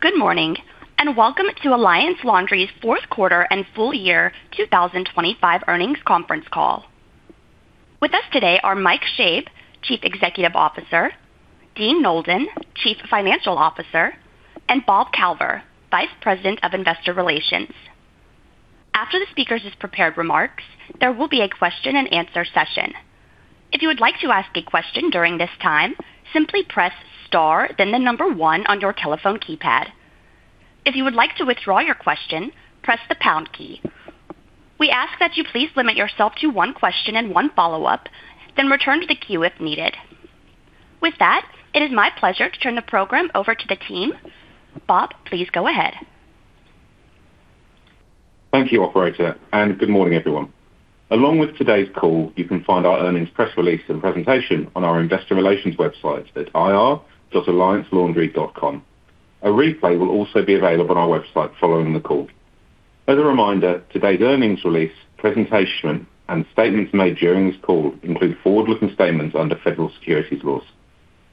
Good morning, and welcome to Alliance Laundry's Fourth Quarter and Full Year 2025 Earnings Conference Call. With us today are Mike Schoeb, Chief Executive Officer, Dean Nolden, Chief Financial Officer, and Bob Calver, Vice President of Investor Relations. After the speakers' prepared remarks, there will be a question-and-answer session. If you would like to ask a question during this time, simply press star, then the number one on your telephone keypad. If you would like to withdraw your question, press the pound key. We ask that you please limit yourself to one question and one follow-up, then return to the queue if needed. With that, it is my pleasure to turn the program over to the team. Bob, please go ahead. Thank you, Operator, and good morning, everyone. Along with today's call, you can find our earnings press release and presentation on our Investor Relations website at ir.alliancelaundry.com. A replay will also be available on our website following the call. As a reminder, today's earnings release, presentation, and statements made during this call include forward-looking statements under federal securities laws.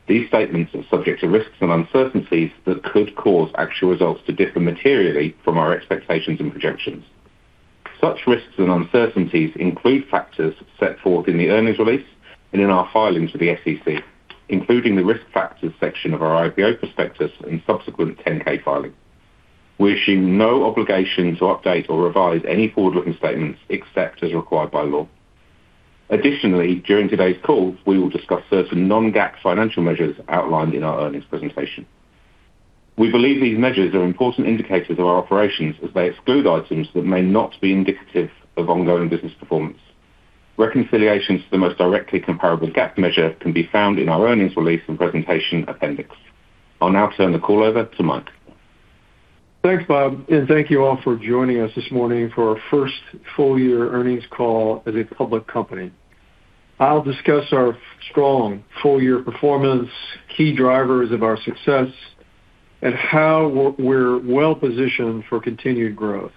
These statements are subject to risks and uncertainties that could cause actual results to differ materially from our expectations and projections. Such risks and uncertainties include factors set forth in the earnings release and in our filings with the SEC, including the Risk Factors section of our IPO prospectus and subsequent 10-K filing. We assume no obligation to update or revise any forward-looking statements except as required by law. Additionally, during today's call, we will discuss certain non-GAAP financial measures outlined in our earnings presentation. We believe these measures are important indicators of our operations as they exclude items that may not be indicative of ongoing business performance. Reconciliations to the most directly comparable GAAP measure can be found in our earnings release and presentation appendix. I'll now turn the call over to Mike. Thanks, Bob, and thank you all for joining us this morning for our first full year earnings call as a public company. I'll discuss our strong full year performance, key drivers of our success, and how we're well-positioned for continued growth.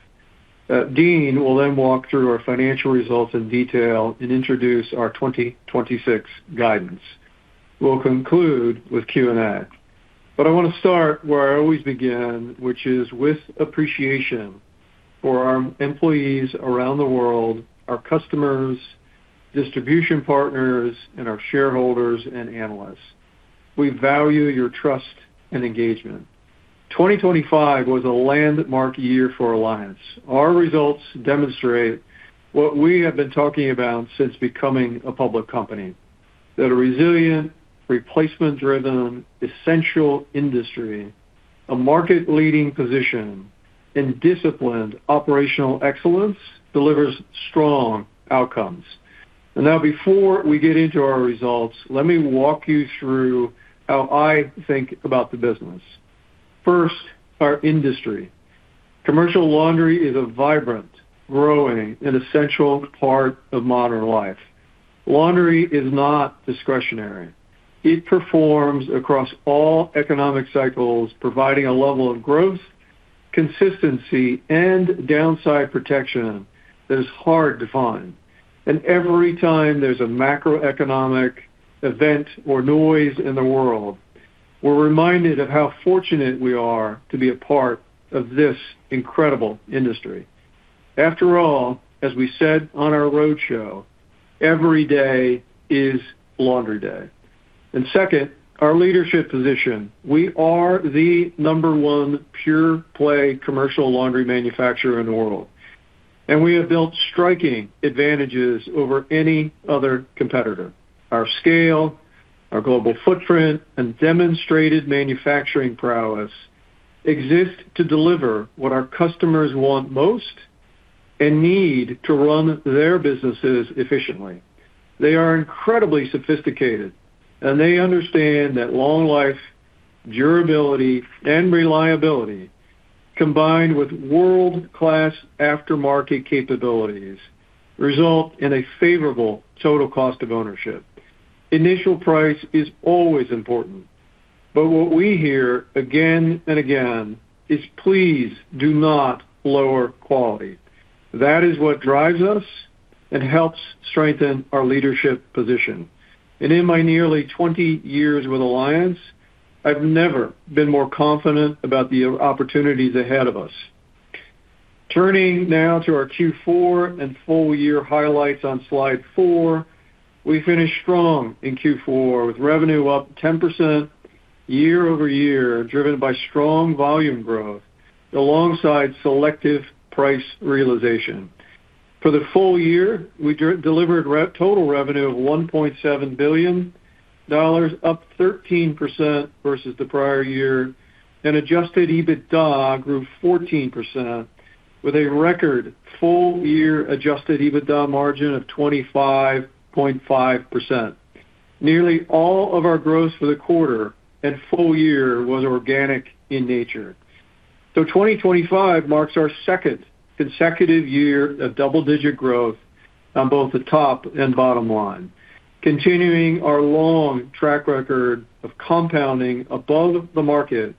Dean will then walk through our financial results in detail and introduce our 2026 guidance. We'll conclude with Q&A. I want to start where I always begin, which is with appreciation for our employees around the world, our customers, distribution partners, and our shareholders and analysts. We value your trust and engagement. 2025 was a landmark year for Alliance. Our results demonstrate what we have been talking about since becoming a public company, that a resilient, replacement-driven, essential industry, a market-leading position, and disciplined operational excellence delivers strong outcomes. Now before we get into our results, let me walk you through how I think about the business. First, our industry. Commercial laundry is a vibrant, growing, and essential part of modern life. Laundry is not discretionary. It performs across all economic cycles, providing a level of growth, consistency, and downside protection that is hard to find. Every time there's a macroeconomic event or noise in the world, we're reminded of how fortunate we are to be a part of this incredible industry. After all, as we said on our roadshow, every day is laundry day. Second, our leadership position. We are the number one pure play commercial laundry manufacturer in the world, and we have built striking advantages over any other competitor. Our scale, our global footprint, and demonstrated manufacturing prowess exist to deliver what our customers want most and need to run their businesses efficiently. They are incredibly sophisticated, and they understand that long life, durability, and reliability, combined with world-class aftermarket capabilities, result in a favorable total cost of ownership. Initial price is always important, but what we hear again and again is, "Please do not lower quality." That is what drives us and helps strengthen our leadership position. In my nearly 20 years with Alliance, I've never been more confident about the opportunities ahead of us. Turning now to our Q4 and full year highlights on slide four, we finished strong in Q4, with revenue up 10% year-over-year, driven by strong volume growth alongside selective price realization. For the full year, we delivered total revenue of $1.7 billion, up 13% versus the prior year, and Adjusted EBITDA grew 14%, with a record full year Adjusted EBITDA margin of 25.5%. Nearly all of our growth for the quarter and full year was organic in nature. 2025 marks our second consecutive year of double-digit growth on both the top and bottom line, continuing our long track record of compounding above the market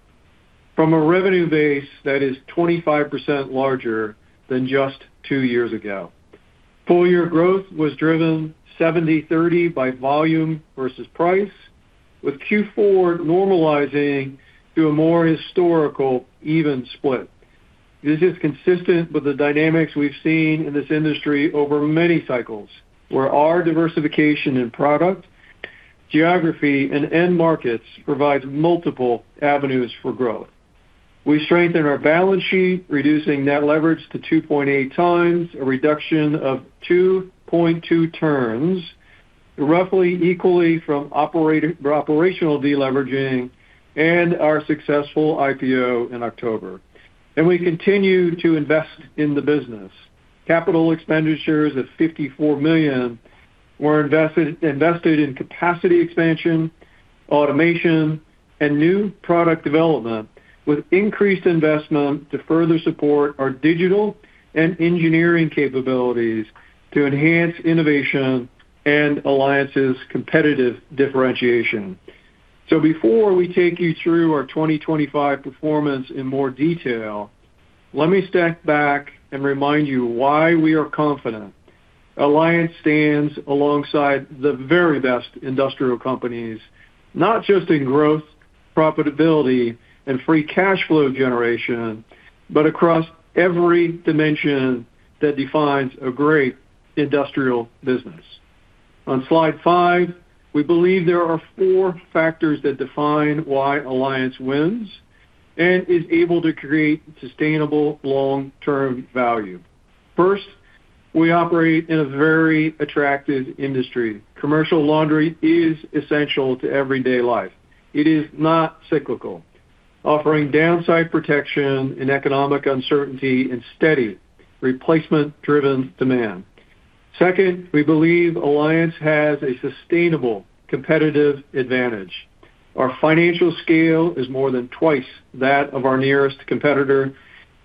from a revenue base that is 25% larger than just two years ago. Full year growth was driven 70/30 by volume versus price, with Q4 normalizing to a more historical even split. This is consistent with the dynamics we've seen in this industry over many cycles, where our diversification in product, geography, and end markets provides multiple avenues for growth. We strengthened our balance sheet, reducing net leverage to 2.8x, a reduction of 2.2 turns, roughly equally from operational de-leveraging and our successful IPO in October. We continue to invest in the business. Capital expenditures of $54 million were invested in capacity expansion, automation, and new product development, with increased investment to further support our digital and engineering capabilities to enhance innovation and Alliance's competitive differentiation. Before we take you through our 2025 performance in more detail, let me step back and remind you why we are confident. Alliance stands alongside the very best industrial companies, not just in growth, profitability, and free cash flow generation, but across every dimension that defines a great industrial business. On slide five, we believe there are four factors that define why Alliance wins and is able to create sustainable long-term value. First, we operate in a very attractive industry. Commercial laundry is essential to everyday life. It is not cyclical, offering downside protection in economic uncertainty and steady replacement-driven demand. Second, we believe Alliance has a sustainable competitive advantage. Our financial scale is more than twice that of our nearest competitor.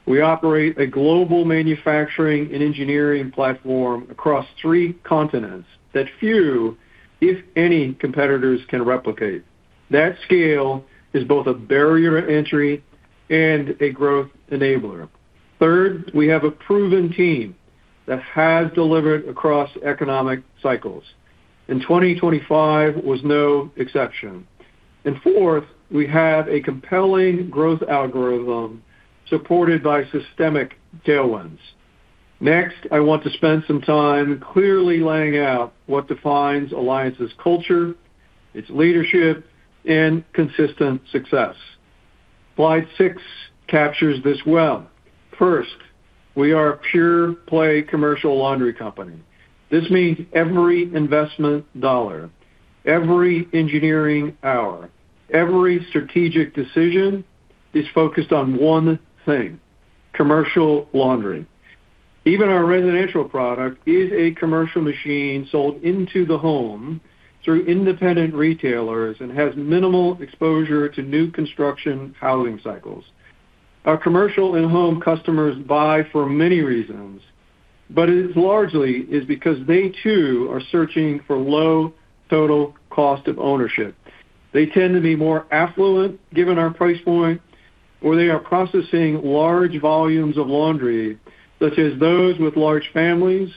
We operate a global manufacturing and engineering platform across three continents that few, if any, competitors can replicate. That scale is both a barrier to entry and a growth enabler. Third, we have a proven team that has delivered across economic cycles, and 2025 was no exception. Fourth, we have a compelling growth algorithm supported by systemic tailwinds. Next, I want to spend some time clearly laying out what defines Alliance's culture, its leadership, and consistent success. Slide six captures this well. First, we are a pure play commercial laundry company. This means every investment dollar, every engineering hour, every strategic decision is focused on one thing: commercial laundry. Even our residential product is a commercial machine sold into the home through independent retailers and has minimal exposure to new construction housing cycles. Our commercial and home customers buy for many reasons, but it is largely because they too are searching for low total cost of ownership. They tend to be more affluent given our price point, or they are processing large volumes of laundry, such as those with large families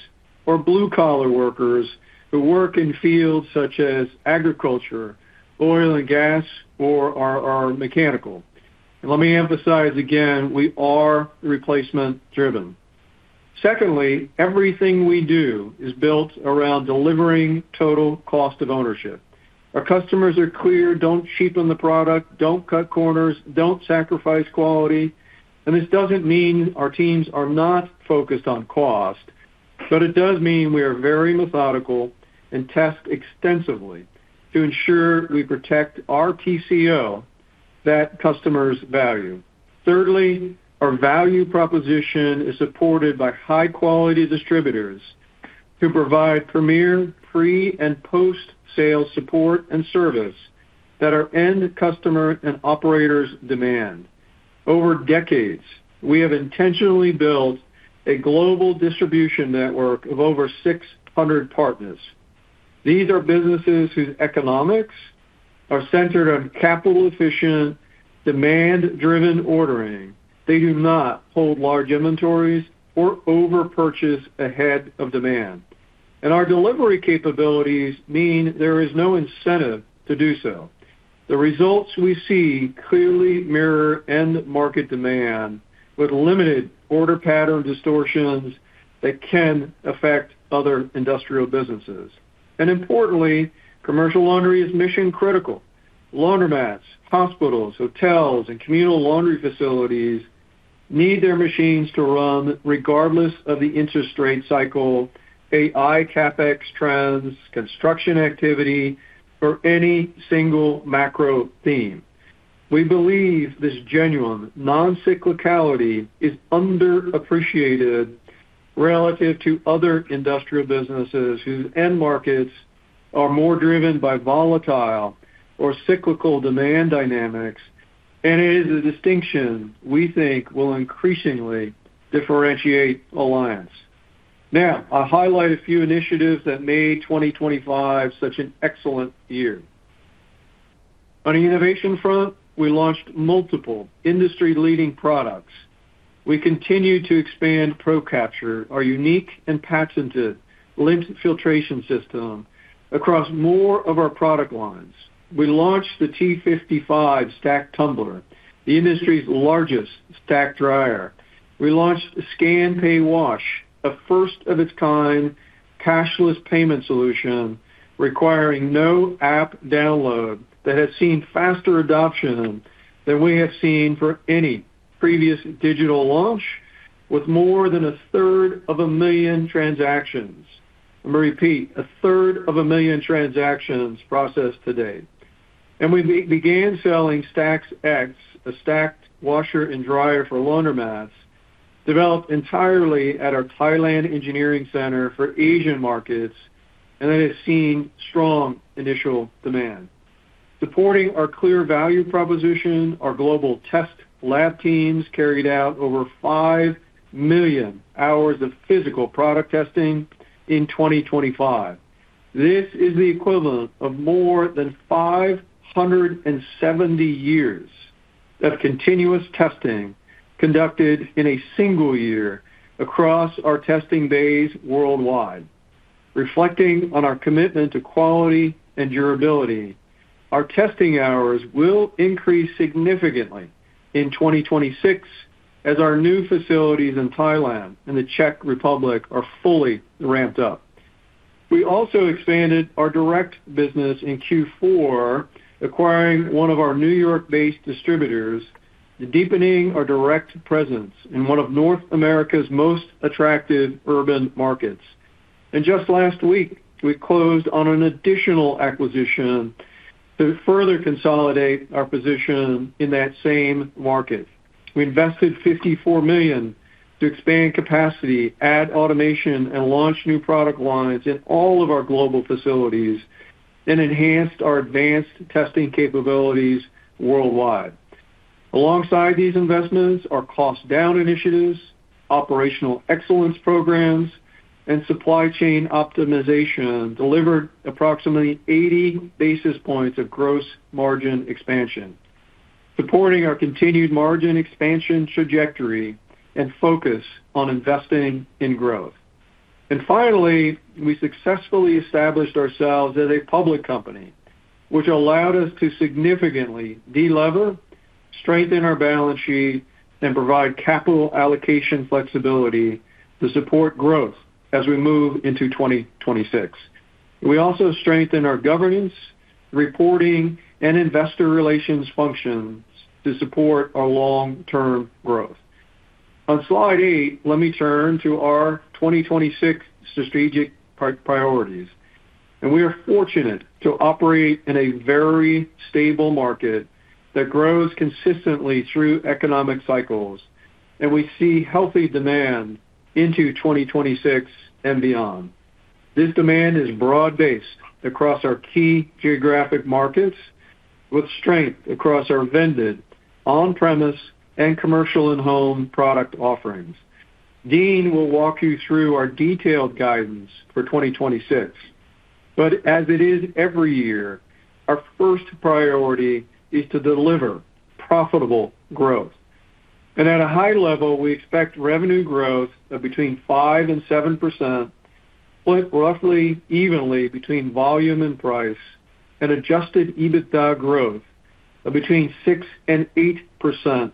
or blue-collar workers who work in fields such as agriculture, oil and gas, or are mechanical. Let me emphasize again, we are replacement driven. Secondly, everything we do is built around delivering total cost of ownership. Our customers are clear. Don't cheapen the product, don't cut corners, don't sacrifice quality. This doesn't mean our teams are not focused on cost, but it does mean we are very methodical and test extensively to ensure we protect our TCO that customers value. Thirdly, our value proposition is supported by high-quality distributors who provide premier pre- and post-sale support and service that our end customer and operators demand. Over decades, we have intentionally built a global distribution network of over 600 partners. These are businesses whose economics are centered on capital-efficient, demand-driven ordering. They do not hold large inventories or over-purchase ahead of demand. Our delivery capabilities mean there is no incentive to do so. The results we see clearly mirror end market demand with limited order pattern distortions that can affect other industrial businesses. Importantly, commercial laundry is mission critical. Laundromats, hospitals, hotels, and communal laundry facilities need their machines to run regardless of the interest rate cycle, AI CapEx trends, construction activity, or any single macro theme. We believe this genuine non-cyclicality is underappreciated relative to other industrial businesses whose end markets are more driven by volatile or cyclical demand dynamics, and it is a distinction we think will increasingly differentiate Alliance. Now, I'll highlight a few initiatives that made 2025 such an excellent year. On the innovation front, we launched multiple industry-leading products. We continue to expand ProCapture, our unique and patented lint filtration system, across more of our product lines. We launched the T55 Stacked Tumbler, the industry's largest stacked dryer. We launched Scan-Pay-Wash, a first of its kind cashless payment solution requiring no app download that has seen faster adoption than we have seen for any previous digital launch, with more than a third of a million transactions. Let me repeat, a third of a million transactions processed to date. We began selling Stax-X, a stacked washer and dryer for laundromats, developed entirely at our Thailand engineering center for Asian markets, and that has seen strong initial demand. Supporting our clear value proposition, our global test lab teams carried out over 5 million hours of physical product testing in 2025. This is the equivalent of more than 570 years of continuous testing conducted in a single year across our testing bays worldwide. Reflecting on our commitment to quality and durability, our testing hours will increase significantly in 2026 as our new facilities in Thailand and the Czech Republic are fully ramped up. We also expanded our direct business in Q4, acquiring one of our New York-based distributors, deepening our direct presence in one of North America's most attractive urban markets. Just last week, we closed on an additional acquisition to further consolidate our position in that same market. We invested $54 million to expand capacity, add automation, and launch new product lines in all of our global facilities, and enhanced our advanced testing capabilities worldwide. Alongside these investments, our cost down initiatives, operational excellence programs, and supply chain optimization delivered approximately 80 basis points of gross margin expansion, supporting our continued margin expansion trajectory and focus on investing in growth. Finally, we successfully established ourselves as a public company, which allowed us to significantly delever, strengthen our balance sheet, and provide capital allocation flexibility to support growth as we move into 2026. We also strengthened our governance, reporting, and Investor Relations functions to support our long-term growth. On slide eight, let me turn to our 2026 strategic priorities. We are fortunate to operate in a very stable market that grows consistently through economic cycles, and we see healthy demand into 2026 and beyond. This demand is broad-based across our key geographic markets with strength across our vended, on-premise, and commercial and home product offerings. Dean will walk you through our detailed guidance for 2026, but as it is every year, our first priority is to deliver profitable growth. At a high level, we expect revenue growth of between 5% and 7%, split roughly evenly between volume and price, and Adjusted EBITDA growth of between 6% and 8%,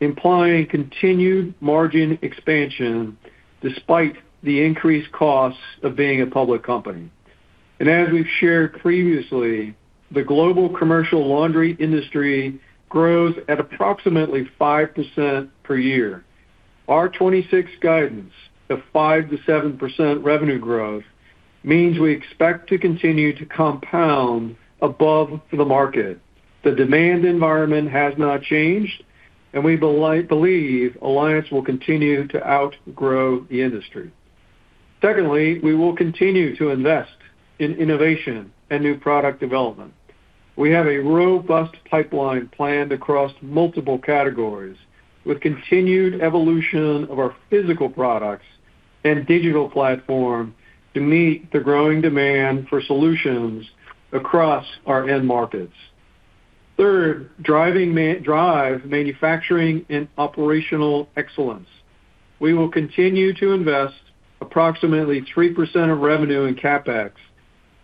implying continued margin expansion despite the increased costs of being a public company. As we've shared previously, the global commercial laundry industry grows at approximately 5% per year. Our 2026 guidance of 5%-7% revenue growth means we expect to continue to compound above the market. The demand environment has not changed, and we believe Alliance will continue to outgrow the industry. Secondly, we will continue to invest in innovation and new product development. We have a robust pipeline planned across multiple categories with continued evolution of our physical products and digital platform to meet the growing demand for solutions across our end markets. Third, drive manufacturing and operational excellence. We will continue to invest approximately 3% of revenue in CapEx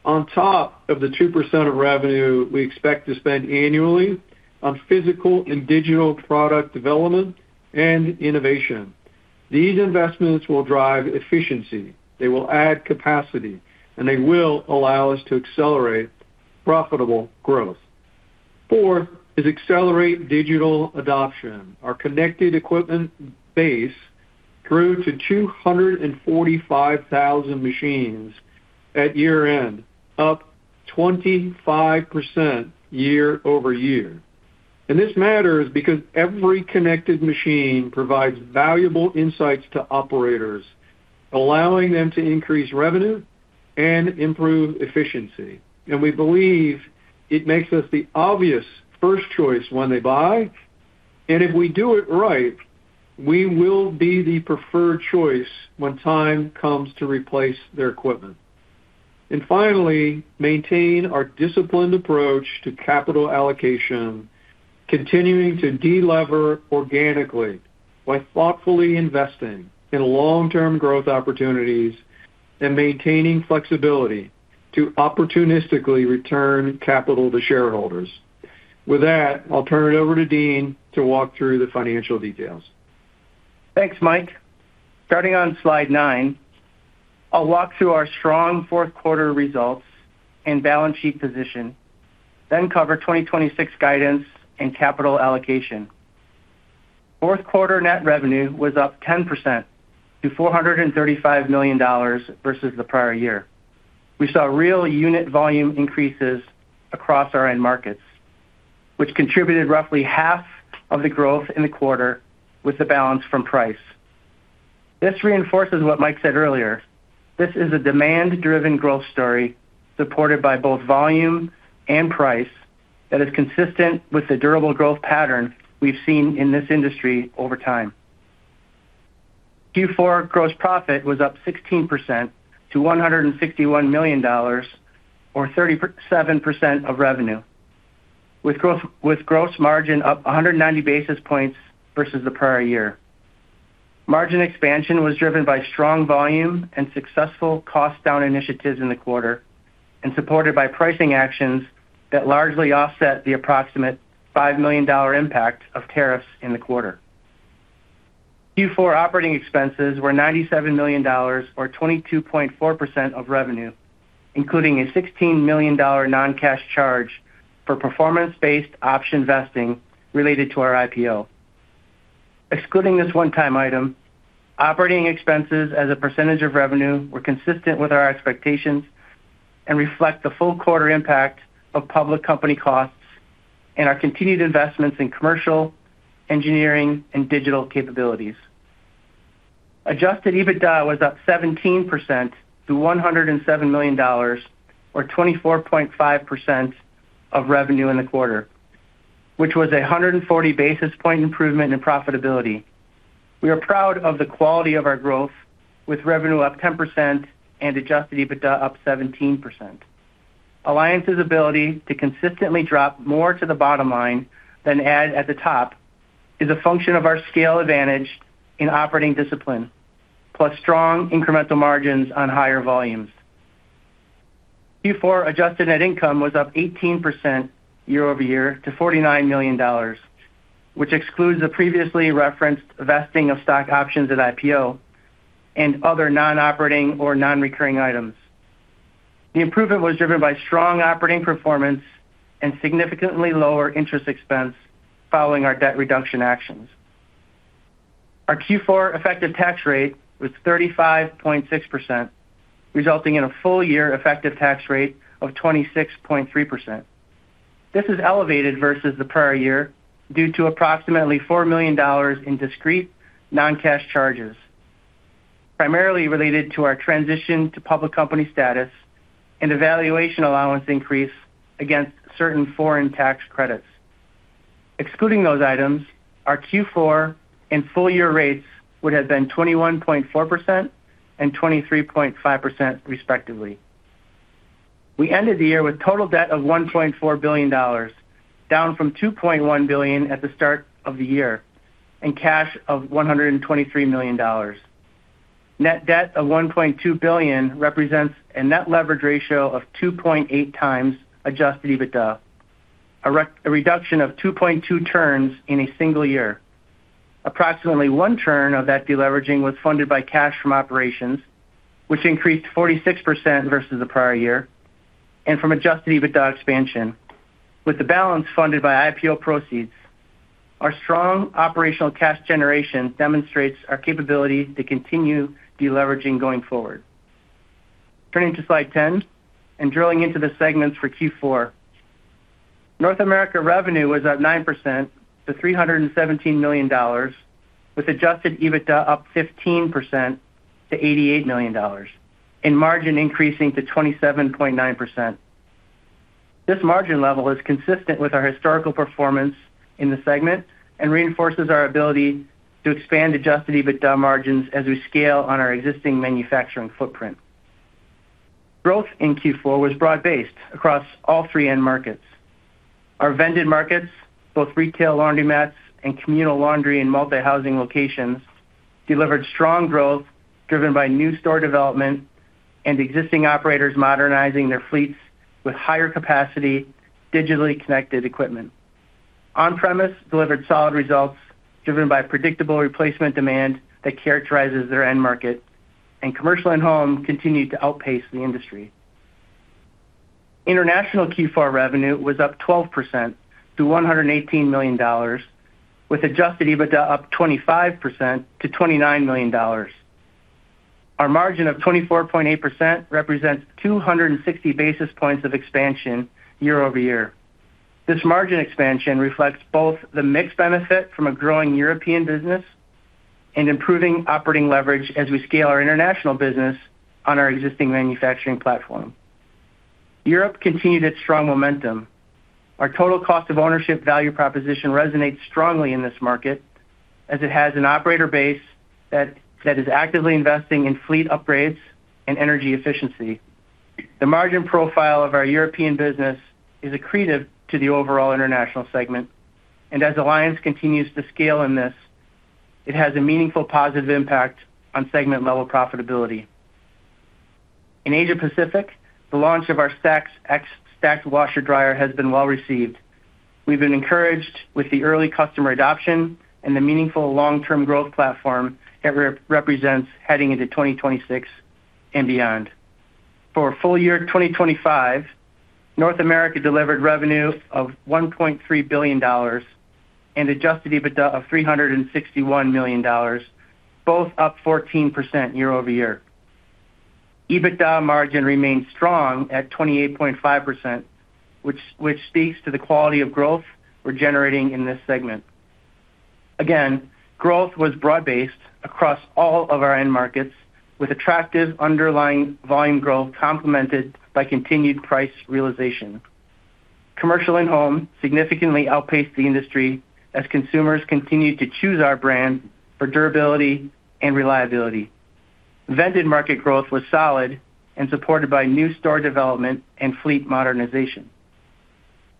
on top of the 2% of revenue we expect to spend annually on physical and digital product development and innovation. These investments will drive efficiency, they will add capacity, and they will allow us to accelerate profitable growth. Fourth is accelerate digital adoption. Our connected equipment base grew to 245,000 machines at year-end, up 25% year-over-year. This matters because every connected machine provides valuable insights to operators, allowing them to increase revenue and improve efficiency. We believe it makes us the obvious first choice when they buy. If we do it right, we will be the preferred choice when time comes to replace their equipment. Finally, maintain our disciplined approach to capital allocation, continuing to delever organically by thoughtfully investing in long-term growth opportunities and maintaining flexibility to opportunistically return capital to shareholders. With that, I'll turn it over to Dean to walk through the financial details. Thanks, Mike. Starting on slide nine, I'll walk through our strong fourth quarter results and balance sheet position, then cover 2026 guidance and capital allocation. Fourth quarter net revenue was up 10% to $435 million versus the prior year. We saw real unit volume increases across our end markets, which contributed roughly half of the growth in the quarter with the balance from price. This reinforces what Mike said earlier. This is a demand-driven growth story supported by both volume and price that is consistent with the durable growth pattern we've seen in this industry over time. Q4 gross profit was up 16% to $161 million or 37% of revenue, with gross margin up 190 basis points versus the prior year. Margin expansion was driven by strong volume and successful cost down initiatives in the quarter and supported by pricing actions that largely offset the approximate $5 million impact of tariffs in the quarter. Q4 operating expenses were $97 million or 22.4% of revenue, including a $16 million non-cash charge for performance-based option vesting related to our IPO. Excluding this one-time item, operating expenses as a percentage of revenue were consistent with our expectations and reflect the full quarter impact of public company costs and our continued investments in commercial, engineering, and digital capabilities. Adjusted EBITDA was up 17% to $107 million or 24.5% of revenue in the quarter, which was a 140 basis point improvement in profitability. We are proud of the quality of our growth with revenue up 10% and Adjusted EBITDA up 17%. Alliance's ability to consistently drop more to the bottom line than add at the top is a function of our scale advantage in operating discipline, plus strong incremental margins on higher volumes. Q4 adjusted net income was up 18% year-over-year to $49 million, which excludes the previously referenced vesting of stock options at IPO and other non-operating or non-recurring items. The improvement was driven by strong operating performance and significantly lower interest expense following our debt reduction actions. Our Q4 effective tax rate was 35.6%, resulting in a full-year effective tax rate of 26.3%. This is elevated versus the prior year due to approximately $4 million in discrete non-cash charges, primarily related to our transition to public company status and a valuation allowance increase against certain foreign tax credits. Excluding those items, our Q4 and full-year rates would have been 21.4% and 23.5% respectively. We ended the year with total debt of $1.4 billion, down from $2.1 billion at the start of the year, and cash of $123 million. Net debt of $1.2 billion represents a net leverage ratio of 2.8x Adjusted EBITDA, a reduction of 2.2 turns in a single year. Approximately 1 turn of that deleveraging was funded by cash from operations, which increased 46% versus the prior year, and from Adjusted EBITDA expansion, with the balance funded by IPO proceeds. Our strong operational cash generation demonstrates our capability to continue deleveraging going forward. Turning to slide 10 and drilling into the segments for Q4. North America revenue was up 9% to $317 million, with Adjusted EBITDA up 15% to $88 million and margin increasing to 27.9%. This margin level is consistent with our historical performance in the segment and reinforces our ability to expand Adjusted EBITDA margins as we scale on our existing manufacturing footprint. Growth in Q4 was broad-based across all three end markets. Our vended markets, both retail laundromats and communal laundry and multi-housing locations, delivered strong growth driven by new store development and existing operators modernizing their fleets with higher capacity digitally connected equipment. On-premise delivered solid results driven by predictable replacement demand that characterizes their end market, and commercial and home continued to outpace the industry. International Q4 revenue was up 12% to $118 million, with Adjusted EBITDA up 25% to $29 million. Our margin of 24.8% represents 260 basis points of expansion year-over-year. This margin expansion reflects both the mix benefit from a growing European business and improving operating leverage as we scale our international business on our existing manufacturing platform. Europe continued its strong momentum. Our total cost of ownership value proposition resonates strongly in this market as it has an operator base that is actively investing in fleet upgrades and energy efficiency. The margin profile of our European business is accretive to the overall international segment. As Alliance continues to scale in this, it has a meaningful positive impact on segment-level profitability. In Asia-Pacific, the launch of our Stax-X stacked washer-dryer has been well-received. We've been encouraged with the early customer adoption and the meaningful long-term growth platform it represents heading into 2026 and beyond. For full year 2025, North America delivered revenue of $1.3 billion and Adjusted EBITDA of $361 million, both up 14% year-over-year. EBITDA margin remains strong at 28.5%, which speaks to the quality of growth we're generating in this segment. Again, growth was broad-based across all of our end markets, with attractive underlying volume growth complemented by continued price realization. Commercial and home significantly outpaced the industry as consumers continued to choose our brand for durability and reliability. Vended market growth was solid and supported by new store development and fleet modernization.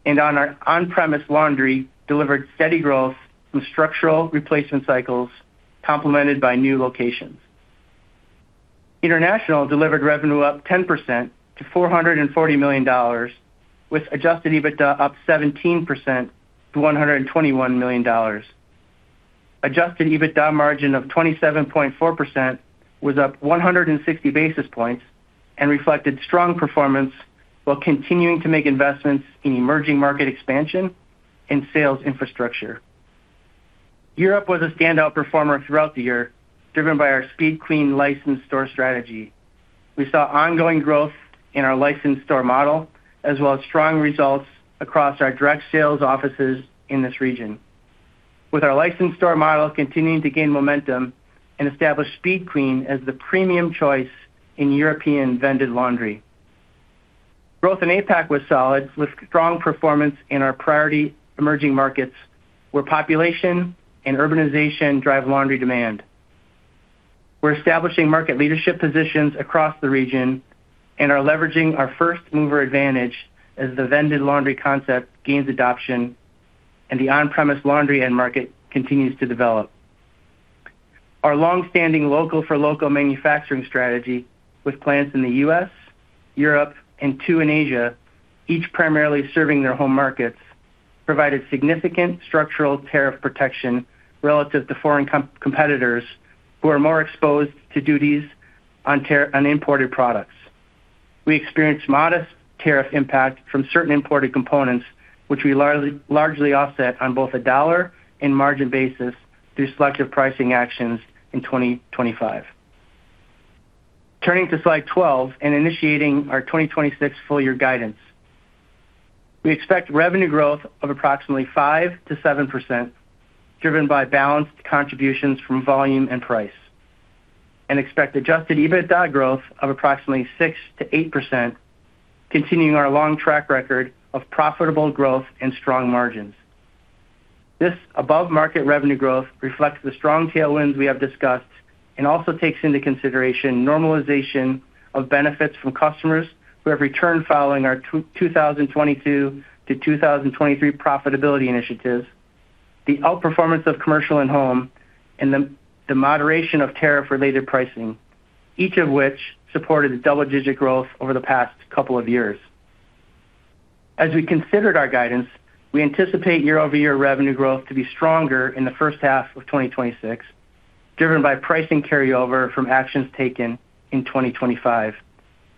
On our on-premise laundry delivered steady growth through structural replacement cycles complemented by new locations. International delivered revenue up 10% to $440 million, with Adjusted EBITDA up 17% to $121 million. Adjusted EBITDA margin of 27.4% was up 160 basis points and reflected strong performance while continuing to make investments in emerging market expansion and sales infrastructure. Europe was a standout performer throughout the year, driven by our Speed Queen licensed store strategy. We saw ongoing growth in our licensed store model, as well as strong results across our direct sales offices in this region, with our licensed store model continuing to gain momentum and establish Speed Queen as the premium choice in European vended laundry. Growth in APAC was solid, with strong performance in our priority emerging markets, where population and urbanization drive laundry demand. We're establishing market leadership positions across the region and are leveraging our first-mover advantage as the vended laundry concept gains adoption and the on-premise laundry end market continues to develop. Our long-standing local-for-local manufacturing strategy with plants in the U.S., Europe, and two in Asia, each primarily serving their home markets, provided significant structural tariff protection relative to foreign competitors who are more exposed to duties on tariffs on imported products. We experienced modest tariff impact from certain imported components, which we largely offset on both a dollar and margin basis through selective pricing actions in 2025. Turning to slide 12 and initiating our 2026 full year guidance. We expect revenue growth of approximately 5%-7%, driven by balanced contributions from volume and price, and expect Adjusted EBITDA growth of approximately 6%-8%, continuing our long track record of profitable growth and strong margins. This above-market revenue growth reflects the strong tailwinds we have discussed and also takes into consideration normalization of benefits from customers who have returned following our 2022-2023 profitability initiatives, the outperformance of commercial and home, and the moderation of tariff-related pricing, each of which supported the double-digit growth over the past couple of years. As we considered our guidance, we anticipate year-over-year revenue growth to be stronger in the first half of 2026, driven by pricing carryover from actions taken in 2025,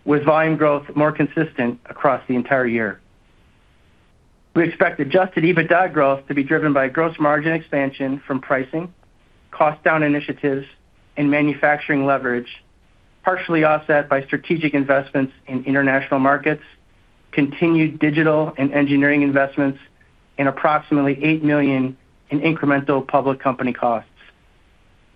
with volume growth more consistent across the entire year. We expect Adjusted EBITDA growth to be driven by gross margin expansion from pricing, cost down initiatives, and manufacturing leverage, partially offset by strategic investments in international markets, continued digital and engineering investments, and approximately $8 million in incremental public company costs.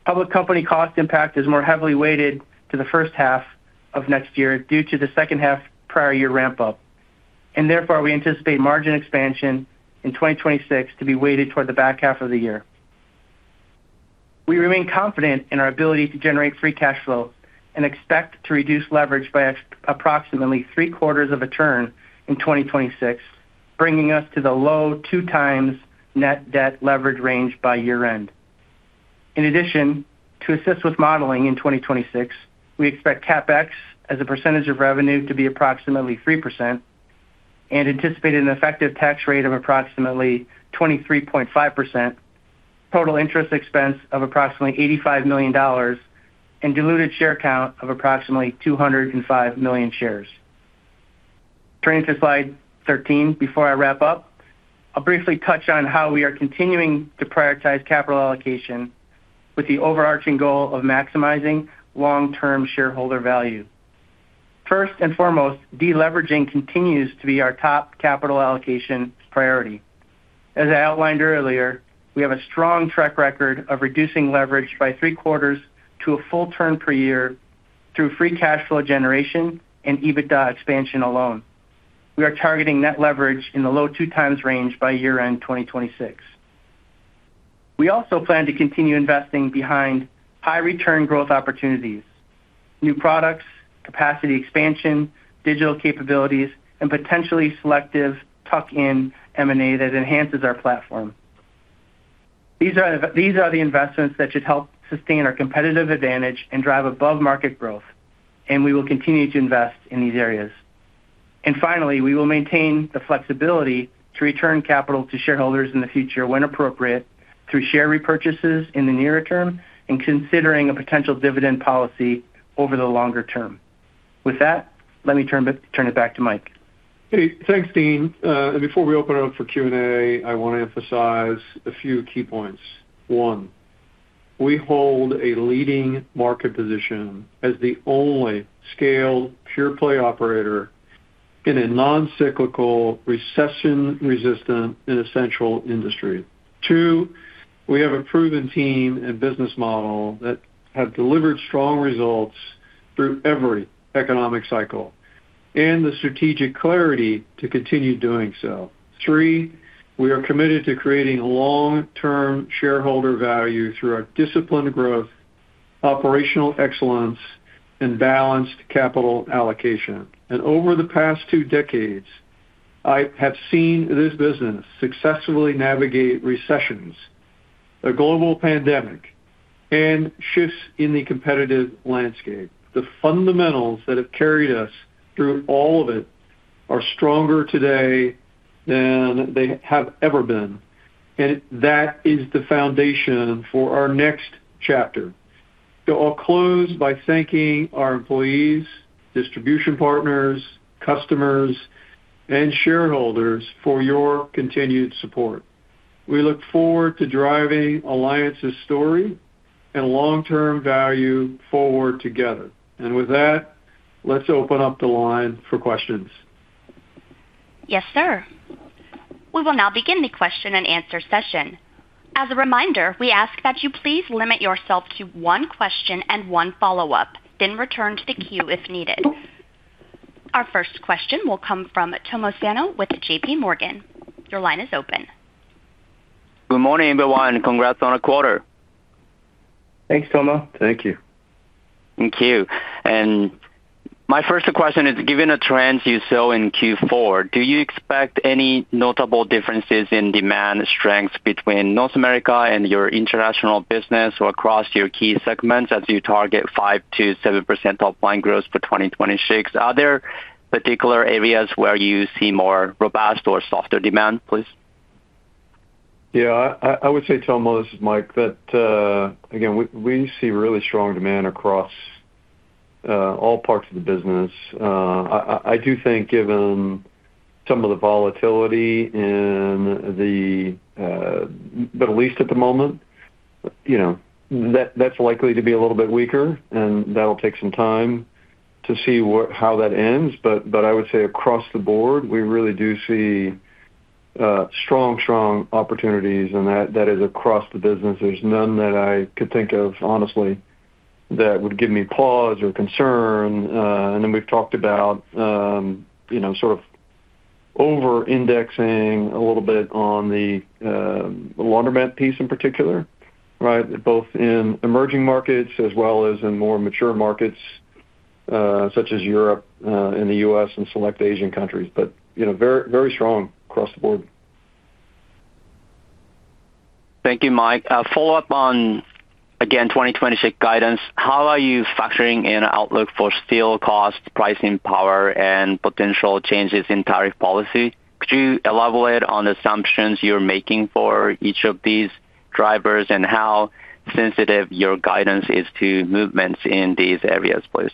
Public company cost impact is more heavily weighted to the first half of next year due to the second half prior year ramp up, and therefore, we anticipate margin expansion in 2026 to be weighted toward the back half of the year. We remain confident in our ability to generate free cash flow and expect to reduce leverage by approximately three-quarters of a turn in 2026, bringing us to the low 2x net debt leverage range by year-end. In addition, to assist with modeling in 2026, we expect CapEx as a percentage of revenue to be approximately 3% and anticipate an effective tax rate of approximately 23.5%, total interest expense of approximately $85 million, and diluted share count of approximately 205 million shares. Turning to slide 13 before I wrap up, I'll briefly touch on how we are continuing to prioritize capital allocation with the overarching goal of maximizing long-term shareholder value. First and foremost, deleveraging continues to be our top capital allocation priority. As I outlined earlier, we have a strong track record of reducing leverage by three-quarters to a full turn per year through free cash flow generation and EBITDA expansion alone. We are targeting net leverage in the low 2x range by year-end 2026. We also plan to continue investing behind high return growth opportunities, new products, capacity expansion, digital capabilities, and potentially selective tuck-in M&A that enhances our platform. These are the investments that should help sustain our competitive advantage and drive above-market growth, and we will continue to invest in these areas. Finally, we will maintain the flexibility to return capital to shareholders in the future when appropriate, through share repurchases in the nearer term and considering a potential dividend policy over the longer term. With that, let me turn it back to Mike. Hey, thanks, Dean. Before we open it up for Q&A, I wanna emphasize a few key points. One, we hold a leading market position as the only scaled pure play operator in a non-cyclical, recession-resistant, and essential industry. Two, we have a proven team and business model that have delivered strong results through every economic cycle, and the strategic clarity to continue doing so. Three, we are committed to creating long-term shareholder value through our disciplined growth, operational excellence, and balanced capital allocation. Over the past two decades, I have seen this business successfully navigate recessions, a global pandemic, and shifts in the competitive landscape. The fundamentals that have carried us through all of it are stronger today than they have ever been, and that is the foundation for our next chapter. I'll close by thanking our employees, distribution partners, customers, and shareholders for your continued support. We look forward to driving Alliance's story and long-term value forward together. With that, let's open up the line for questions. Yes, sir. We will now begin the question-and-answer session. As a reminder, we ask that you please limit yourself to one question and one follow-up, then return to the queue if needed. Our first question will come from Tomo Sano with JPMorgan. Your line is open. Good morning, everyone. Congrats on the quarter. Thanks, Tomo. Thank you. Thank you. My first question is, given the trends you saw in Q4, do you expect any notable differences in demand strength between North America and your international business or across your key segments as you target 5%-7% top line growth for 2026? Are there particular areas where you see more robust or softer demand, please? Yeah. I would say, Tomo, this is Mike, that again, we see really strong demand across all parts of the business. I do think given some of the volatility in the Middle East at the moment, you know, that's likely to be a little bit weaker, and that'll take some time to see how that ends. I would say across the board, we really do see strong opportunities, and that is across the business. There's none that I could think of, honestly, that would give me pause or concern. We've talked about, you know, sort of over-indexing a little bit on the laundromat piece in particular, right? Both in emerging markets as well as in more mature markets, such as Europe, and the U.S. and select Asian countries. But, you know, very, very strong across the board. Thank you, Mike. A follow-up on, again, 2026 guidance. How are you factoring in outlook for steel cost, pricing power, and potential changes in tariff policy? Could you elaborate on assumptions you're making for each of these drivers and how sensitive your guidance is to movements in these areas, please?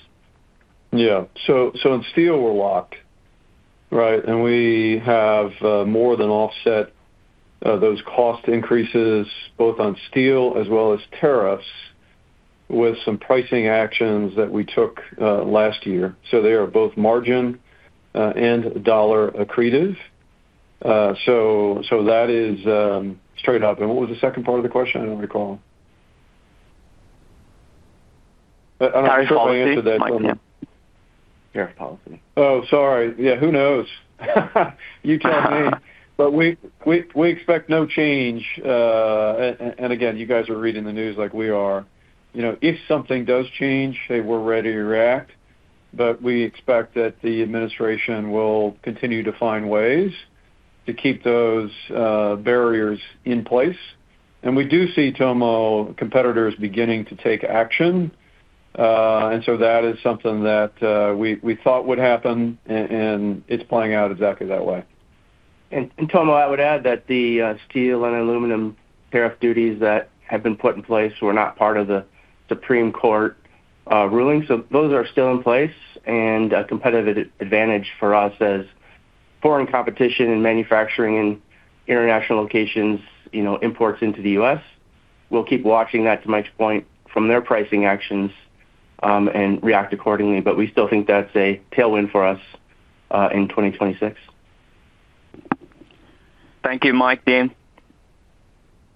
Yeah. So in steel we're locked, right? We have more than offset those cost increases both on steel as well as tariffs with some pricing actions that we took last year. They are both margin and dollar accretive. That is straight up. What was the second part of the question? I don't recall. Tariff policy. I'm not sure I answered that part. Tariff policy. Oh, sorry. Yeah, who knows? You tell me. We expect no change. Again, you guys are reading the news like we are, you know, if something does change, hey, we're ready to react. We expect that the administration will continue to find ways to keep those barriers in place. We do see, Tomo, competitors beginning to take action. That is something that we thought would happen, and it's playing out exactly that way. Tomo, I would add that the steel and aluminum tariff duties that have been put in place were not part of the Supreme Court ruling. Those are still in place, and a competitive advantage for us against foreign competition in manufacturing in international locations, you know, imports into the U.S. We'll keep watching that, to Mike's point, from their pricing actions, and react accordingly, but we still think that's a tailwind for us in 2026. Thank you, Mike, Dean.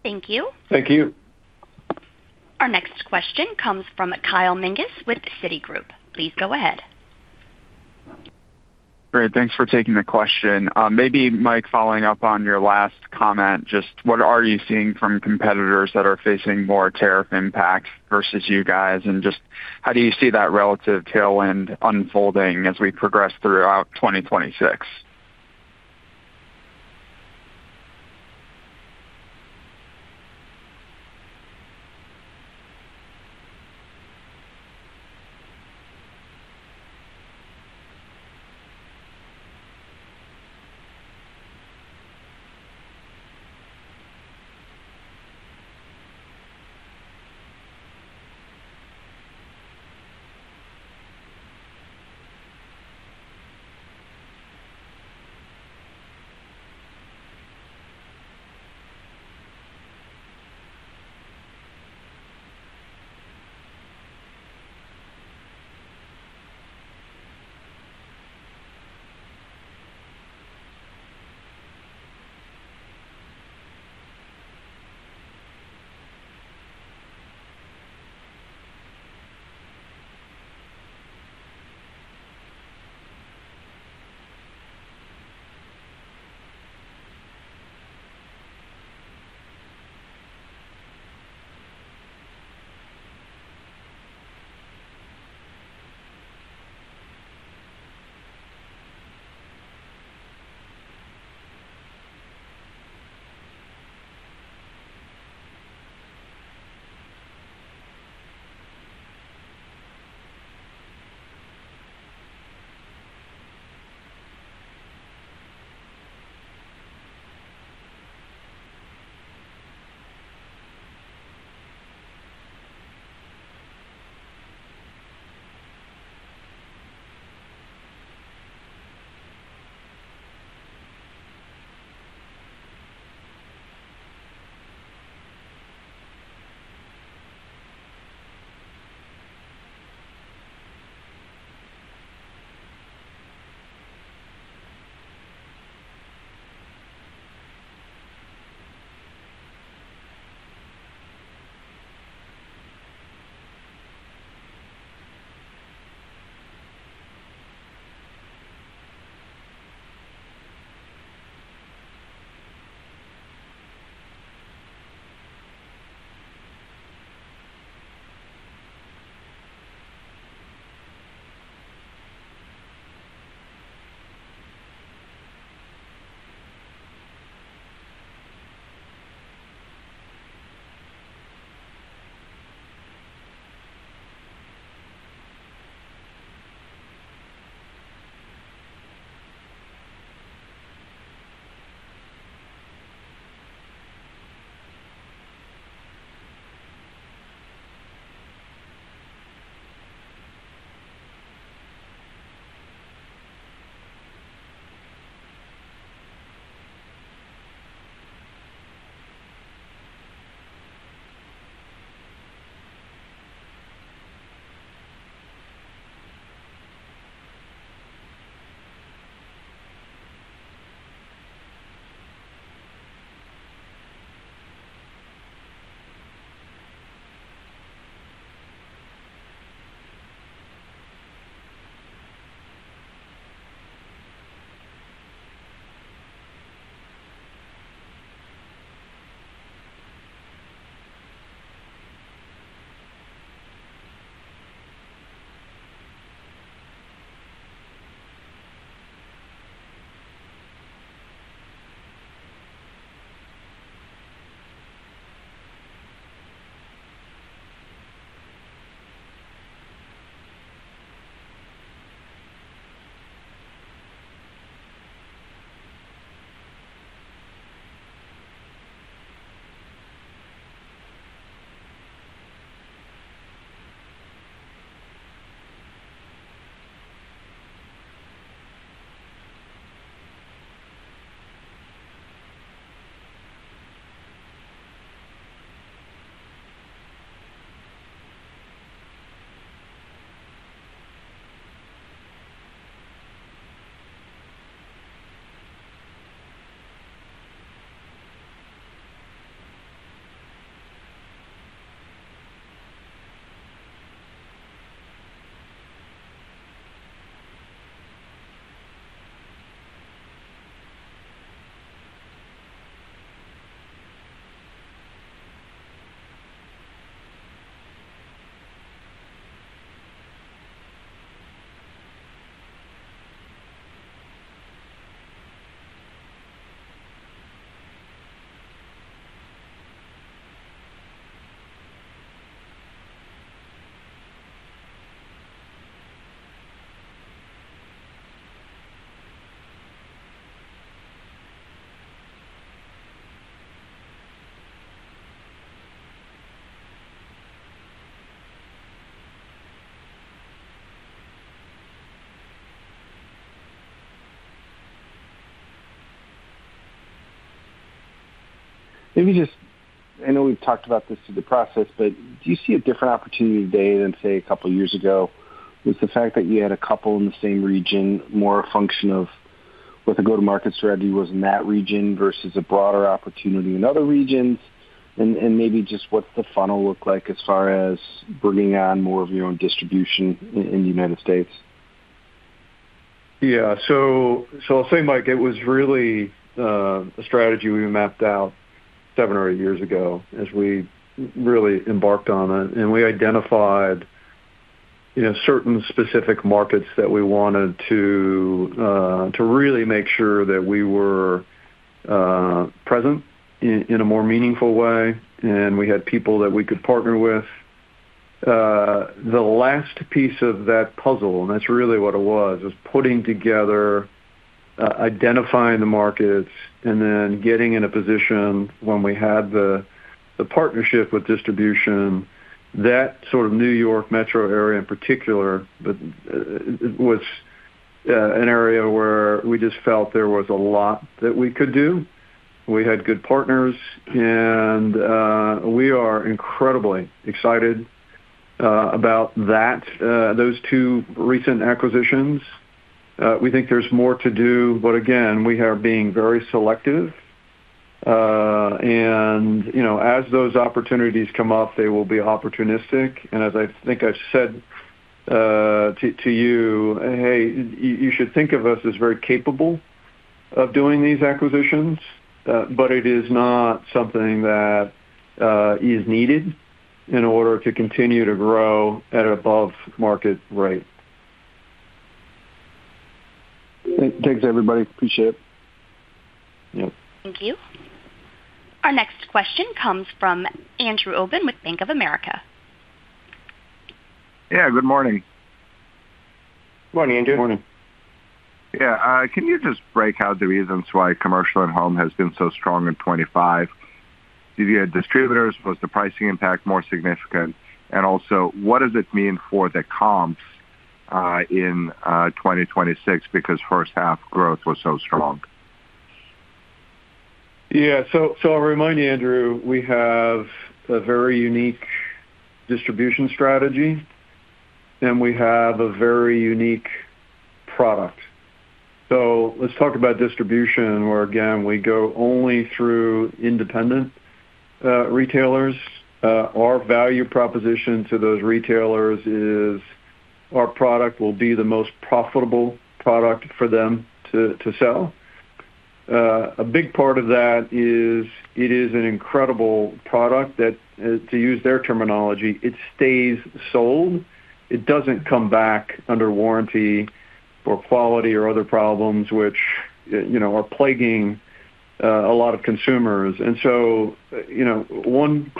Thank you. Thank you. Our next question comes from Kyle Menges with Citigroup. Please go ahead. Great. Thanks for taking the question, maybe, Mike, following up on your last comment, just what are you seeing from competitors that are facing more tariff impacts versus you guys? Just how do you see that relative tailwind unfolding as we progress throughout 2026? I know we've talked about this through the process, but do you see a different opportunity today than, say, a couple years ago? Was the fact that you had a couple in the same region more a function of what the go-to-market strategy was in that region versus a broader opportunity in other regions? And maybe just what's the funnel look like as far as bringing on more of your own distribution in the U.S.? Yeah. I'll say, Mike, it was really a strategy we mapped out seven or eight years ago as we really embarked on it. We identified, you know, certain specific markets that we wanted to really make sure that we were present in a more meaningful way, and we had people that we could partner with. The last piece of that puzzle, and that's really what it was putting together identifying the markets and then getting in a position when we had the partnership with distribution. That sort of New York metro area in particular was an area where we just felt there was a lot that we could do. We had good partners, and we are incredibly excited about that. Those two recent acquisitions, we think there's more to do, but again, we are being very selective, and, you know, as those opportunities come up, they will be opportunistic. As I think I said to you should think of us as very capable of doing these acquisitions, but it is not something that is needed in order to continue to grow at an above market rate. Thanks, everybody. Appreciate it. Yep. Thank you. Our next question comes from Andrew Obin with Bank of America. Yeah, good morning. Morning, Andrew. Morning. Yeah. Can you just break out the reasons why commercial and home has been so strong in 2025? Did you have distributors? Was the pricing impact more significant? Also, what does it mean for the comps in 2026 because first half growth was so strong? Yeah. I'll remind you, Andrew, we have a very unique distribution strategy, and we have a very unique product. Let's talk about distribution, where again we go only through independent retailers. Our value proposition to those retailers is our product will be the most profitable product for them to sell. A big part of that is it is an incredible product that to use their terminology, it stays sold. It doesn't come back under warranty for quality or other problems which, you know, are plaguing a lot of consumers, and, so, you know, one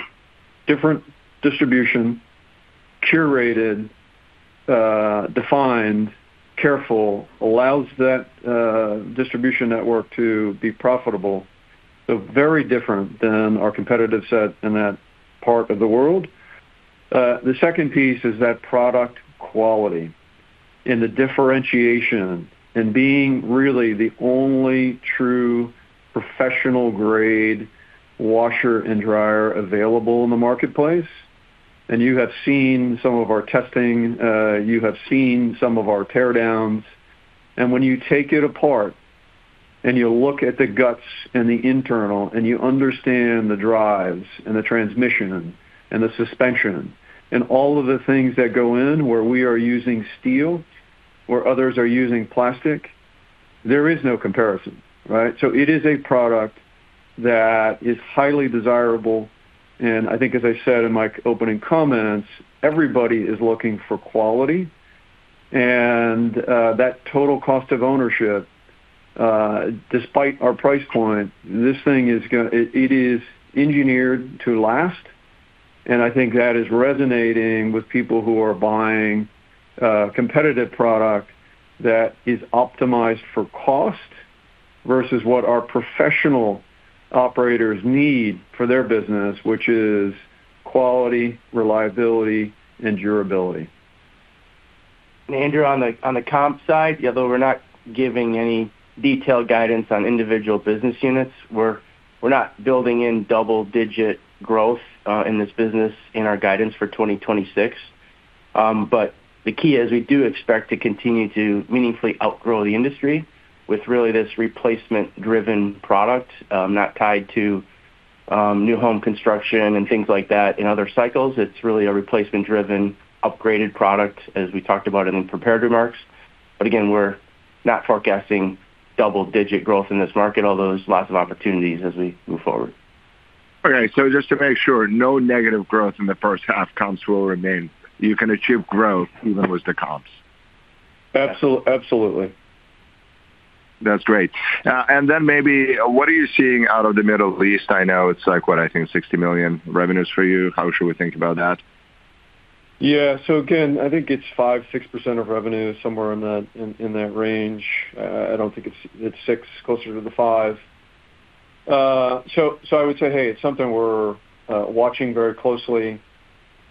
different distribution, curated, defined, careful, allows that distribution network to be profitable. Very different than our competitive set in that part of the world. The second piece is that product quality and the differentiation and being really the only true professional grade washer and dryer available in the marketplace. You have seen some of our testing, you have seen some of our teardowns. When you take it apart, and you look at the guts and the internal, and you understand the drives and the transmission and the suspension and all of the things that go in where we are using steel, where others are using plastic, there is no comparison, right? It is a product that is highly desirable. I think as I said in my opening comments, everybody is looking for quality. That total cost of ownership, despite our price point, it is engineered to last, and I think that is resonating with people who are buying competitive product that is optimized for cost versus what our professional operators need for their business, which is quality, reliability, and durability. Andrew, on the comp side, although we're not giving any detailed guidance on individual business units, we're not building in double-digit growth in this business in our guidance for 2026. The key is we do expect to continue to meaningfully outgrow the industry with really this replacement driven product, not tied to new home construction and things like that in other cycles. It's really a replacement driven upgraded product as we talked about in the prepared remarks. We're not forecasting double-digit growth in this market, although there's lots of opportunities as we move forward. Okay. Just to make sure, no negative growth in the first half comps will remain. You can achieve growth even with the comps? Absolutely. That's great. Maybe what are you seeing out of the Middle East? I know it's like what? I think $60 million revenues for you. How should we think about that? Yeah. Again, I think it's 5%, 6% of revenue, somewhere in that range. I don't think it's 6%, closer to the 5%. I would say, hey, it's something we're watching very closely.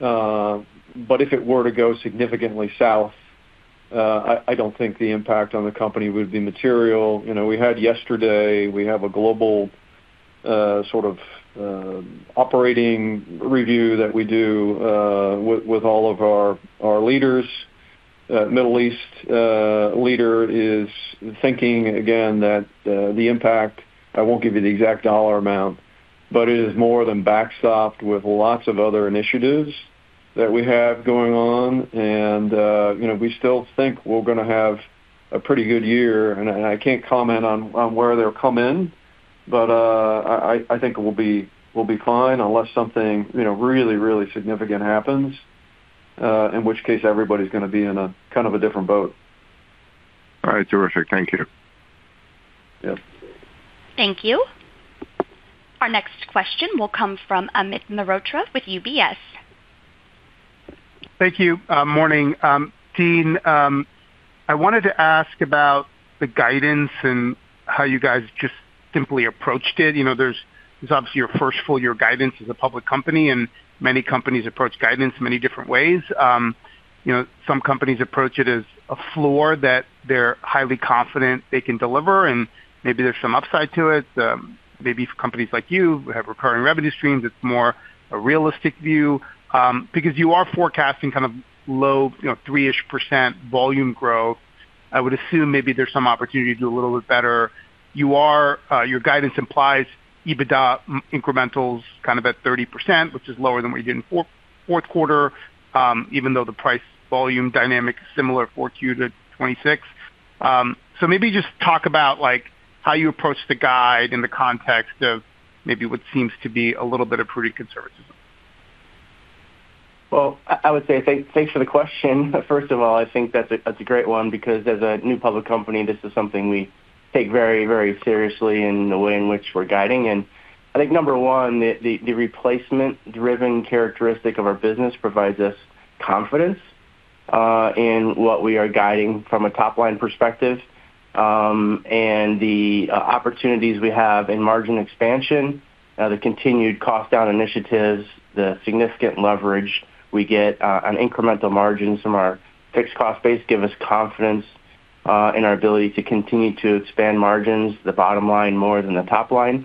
If it were to go significantly south, I don't think the impact on the company would be material, you know, we have a global sort of operating review that we do with all of our leaders. Middle East leader is thinking again that the impact I won't give you the exact dollar amount, but it is more than backstop with lots of other initiatives that we have going on. You know, we still think we're gonna have a pretty good year, and I can't comment on where they'll come in, but I think we'll be fine unless something you know really significant happens, in which case everybody's gonna be in a kind of a different boat. All right. Terrific. Thank you. Yep. Thank you. Our next question will come from Amit Mehrotra with UBS. Thank you. Morning. Dean, I wanted to ask about the guidance and how you guys just simply approached it, you know, there's obviously your first full year guidance as a public company, and many companies approach guidance in many different ways, you know, some companies approach it as a floor that they're highly confident they can deliver, and maybe there's some upside to it. Maybe for companies like you who have recurring revenue streams, it's more a realistic view, because you are forecasting kind of low, you know, 3-ish% volume growth. I would assume maybe there's some opportunity to do a little bit better. Your guidance implies EBITDA incrementals kind of at 30%, which is lower than what you did in fourth quarter, even though the price volume dynamic is similar 4Q to 2026. Maybe just talk about, like, how you approach the guide in the context of maybe what seems to be a little bit of prudent conservatism. Well, I would say thanks for the question. First of all, I think that's a great one because as a new public company, this is something we take very, very seriously in the way in which we're guiding. I think, number one, the replacement driven characteristic of our business provides us confidence in what we are guiding from a top line perspective. The opportunities we have in margin expansion, the continued cost down initiatives, the significant leverage we get on incremental margins from our fixed cost base give us confidence in our ability to continue to expand margins, the bottom line more than the top line.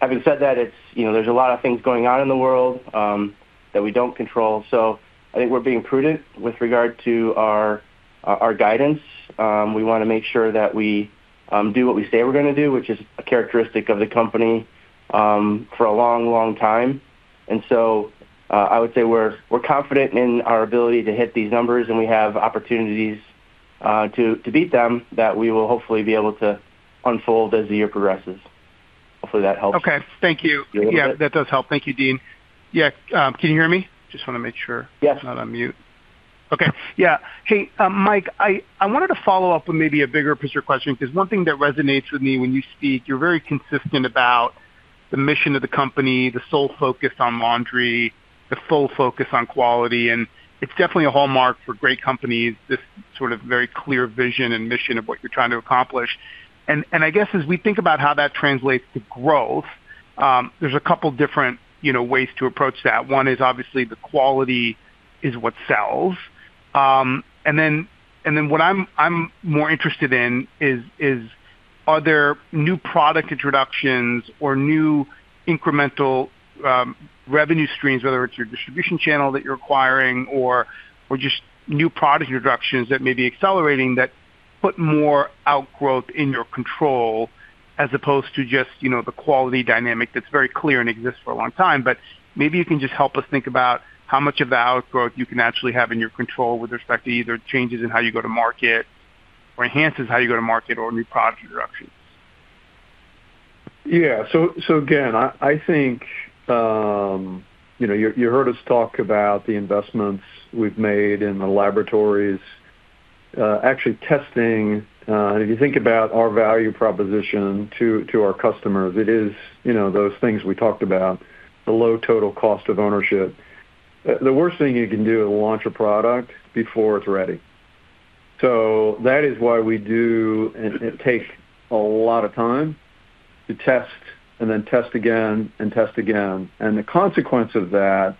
Having said that, it's, you know, there's a lot of things going on in the world that we don't control. I think we're being prudent with regard to our guidance. We wanna make sure that we do what we say we're gonna do, which is a characteristic of the company for a long time. I would say we're confident in our ability to hit these numbers, and we have opportunities to beat them that we will hopefully be able to unfold as the year progresses. Hopefully that helps. Okay. Thank you. Yeah. Yeah, that does help. Thank you, Dean. Yeah. Can you hear me? Just wanna make sure. Yes. I'm not on mute. Okay. Yeah. Hey, Mike, I wanted to follow up on maybe a bigger picture question 'cause one thing that resonates with me when you speak, you're very consistent about the mission of the company, the sole focus on laundry, the full focus on quality. It's definitely a hallmark for great companies, this sort of very clear vision and mission of what you're trying to accomplish. I guess as we think about how that translates to growth, there's a couple different, you know, ways to approach that. One is obviously the quality is what sells. What I'm more interested in is are there new product introductions or new incremental revenue streams, whether it's your distribution channel that you're acquiring or just new product introductions that may be accelerating that put more outgrowth in your control as opposed to just, you know, the quality dynamic that's very clear and exists for a long time. Maybe you can just help us think about how much of the outgrowth you can actually have in your control with respect to either changes in how you go to market or enhances how you go to market or new product introductions. Yeah. Again, I think you know you heard us talk about the investments we've made in the laboratories actually testing. If you think about our value proposition to our customers, it is you know those things we talked about, the low total cost of ownership. The worst thing you can do is launch a product before it's ready. That is why we do, and it takes a lot of time to test and then test again and test again. The consequence of that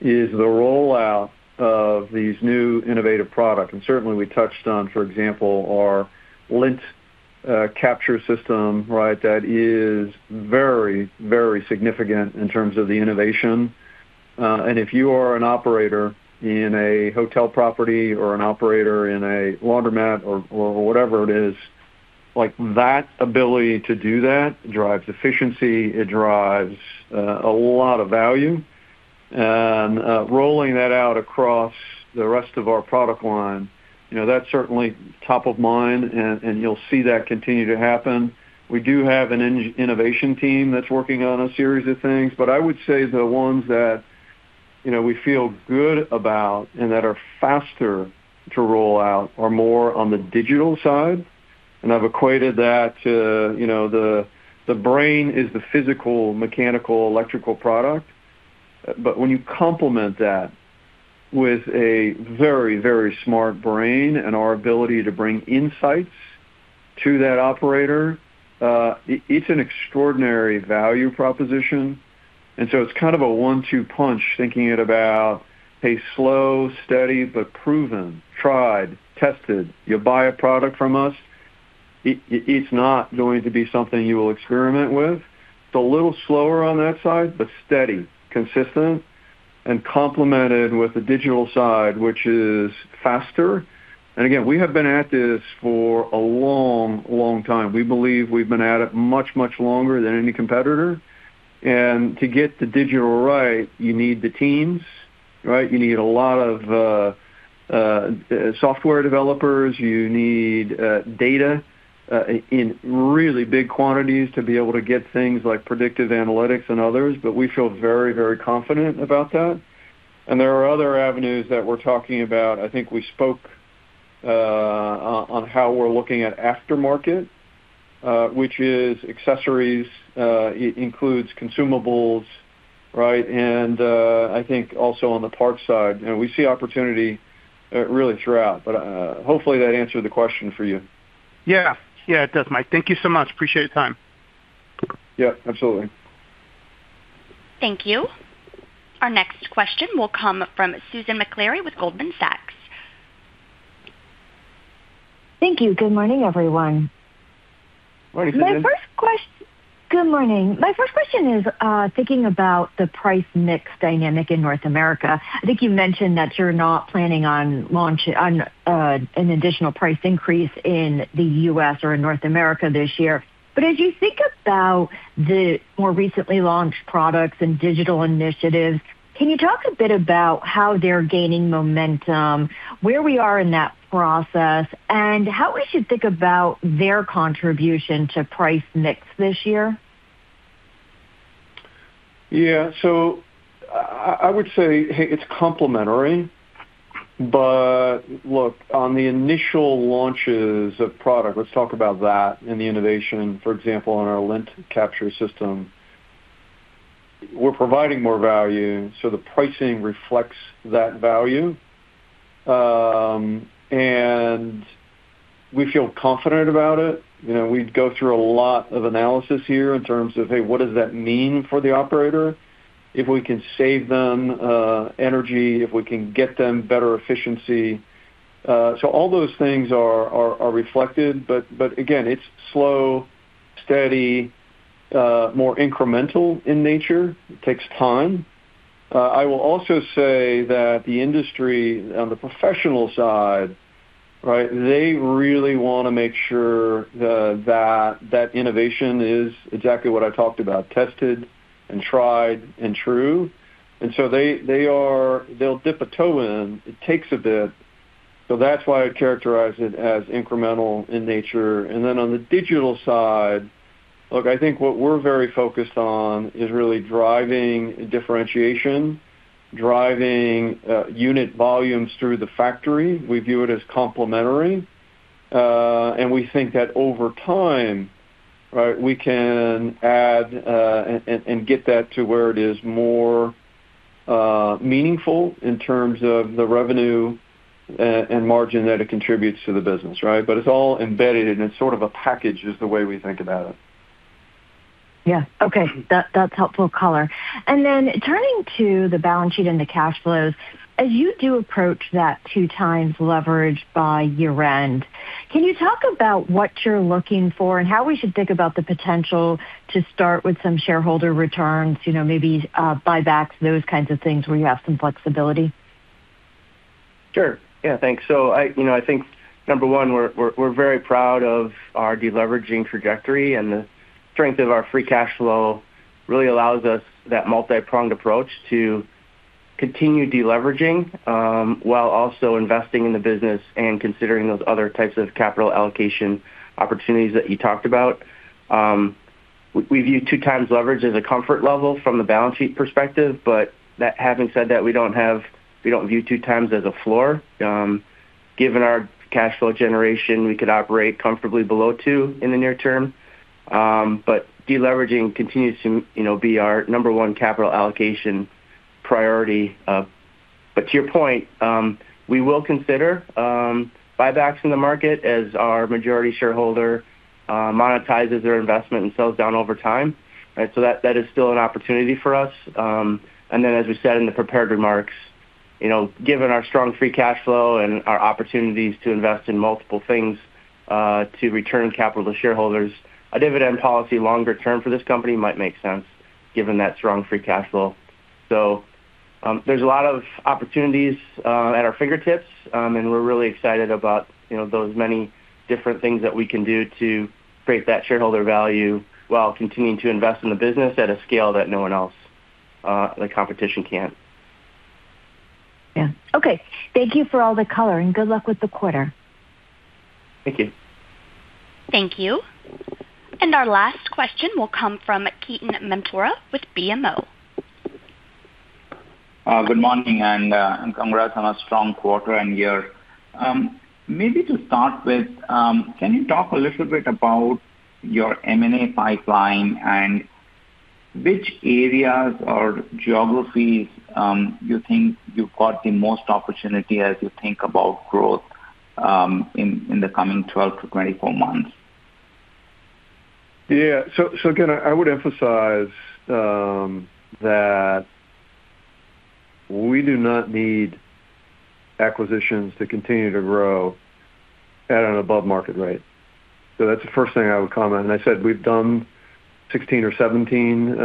is the rollout of these new innovative product. Certainly we touched on, for example, our lint capture system, right? That is very very significant in terms of the innovation. If you are an operator in a hotel property or an operator in a laundromat or whatever it is, like, that ability to do that drives efficiency, it drives a lot of value. Rolling that out across the rest of our product line, you know, that's certainly top of mind, and you'll see that continue to happen. We do have an innovation team that's working on a series of things, but I would say the ones that, you know, we feel good about and that are faster to roll out are more on the digital side. I've equated that to, you know, the brain is the physical, mechanical, electrical product. But when you complement that with a very, very smart brain and our ability to bring insights to that operator, it's an extraordinary value proposition. It's kind of a one-two punch thinking about it a slow, steady but proven, tried, tested. You buy a product from us, it's not going to be something you will experiment with. It's a little slower on that side, but steady, consistent, and complemented with the digital side, which is faster. Again, we have been at this for a long, long time. We believe we've been at it much, much longer than any competitor. To get the digital right, you need the teams, right? You need a lot of software developers. You need data in really big quantities to be able to get things like predictive analytics and others. But we feel very, very confident about that. There are other avenues that we're talking about. I think we spoke on how we're looking at aftermarket, which is accessories. It includes consumables, right? I think also on the parts side, we see opportunity, really throughout. Hopefully, that answered the question for you. Yeah. Yeah, it does, Mike. Thank you so much. Appreciate the time. Yeah, absolutely. Thank you. Our next question will come from Susan Maklari with Goldman Sachs. Thank you. Good morning, everyone. Morning, Susan. Good morning. My first question is, thinking about the price mix dynamic in North America. I think you mentioned that you're not planning on an additional price increase in the U.S. or in North America this year. As you think about the more recently launched products and digital initiatives, can you talk a bit about how they're gaining momentum, where we are in that process, and how we should think about their contribution to price mix this year? Yeah. I would say it's complementary. Look, on the initial launches of product, let's talk about that and the innovation, for example, on our lint capture system. We're providing more value, so the pricing reflects that value. We feel confident about it, you know, we go through a lot of analysis here in terms of, hey, what does that mean for the operator? If we can save them energy, if we can get them better efficiency. All those things are reflected. Again, it's slow, steady, more incremental in nature. It takes time. I will also say that the industry on the professional side, right, they really wanna make sure that innovation is exactly what I talked about, tested and tried and true. They'll dip a toe in. It takes a bit. That's why I characterize it as incremental in nature. On the digital side, look, I think what we're very focused on is really driving differentiation, driving unit volumes through the factory. We view it as complementary. We think that over time, right, we can add and get that to where it is more meaningful in terms of the revenue and margin that it contributes to the business, right? It's all embedded, and it's sort of a package is the way we think about it. Yeah. Okay. That, that's helpful color. Turning to the balance sheet and the cash flows, as you do approach that 2x leverage by year-end, can you talk about what you're looking for and how we should think about the potential to start with some shareholder returns, you know, maybe buybacks, those kinds of things where you have some flexibility? Sure. Yeah. Thanks. I, you know, I think, number one, we're very proud of our deleveraging trajectory, and the strength of our free cash flow really allows us that multipronged approach to continue deleveraging, while also investing in the business and considering those other types of capital allocation opportunities that you talked about. We view 2x leverage as a comfort level from the balance sheet perspective. That having said, we don't view 2x as a floor. Given our cash flow generation, we could operate comfortably below 2x in the near term. Deleveraging continues to, you know, be our number one capital allocation priority. To your point, we will consider buybacks in the market as our majority shareholder monetizes their investment and sells down over time. Right? That is still an opportunity for us. As we said in the prepared remarks, you know, given our strong free cash flow and our opportunities to invest in multiple things, to return capital to shareholders, a dividend policy longer term for this company might make sense given that strong free cash flow. There's a lot of opportunities at our fingertips, and we're really excited about, you know, those many different things that we can do to create that shareholder value while continuing to invest in the business at a scale that no one else, the competition can. Yeah. Okay. Thank you for all the color, and good luck with the quarter. Thank you. Thank you. Our last question will come from Ketan Mamtora with BMO Capital Markets. Good morning and congrats on a strong quarter and year. Maybe to start with, can you talk a little bit about your M&A pipeline and Which areas or geographies, you think you've got the most opportunity as you think about growth, in the coming 12-24 months? Yeah. Again, I would emphasize that we do not need acquisitions to continue to grow at an above market rate. That's the first thing I would comment. I said we've done 16 or 17,